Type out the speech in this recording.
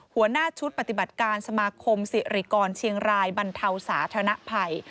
หัวหน้าชุดปฏิบัติการสมาคมสิริกรเชียงรายบรรเทาสาธารณภัย